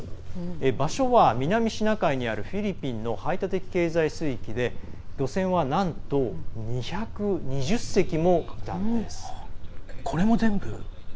場所は南シナ海にあるフィリピンの排他的経済水域で漁船はなんと２２０隻もいたんです。